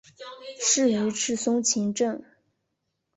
仕于赤松晴政。